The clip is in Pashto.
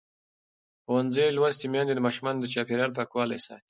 ښوونځې لوستې میندې د ماشومانو د چاپېریال پاکوالي ساتي.